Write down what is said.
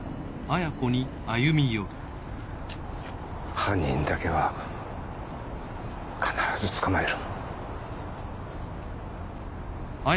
犯人だけは必ず捕まえる。